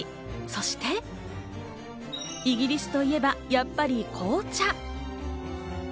そしてイギリスといえばやっぱり紅茶。